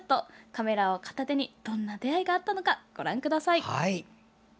カメラを片手に、どんな出会いがあったのか、ご覧ください。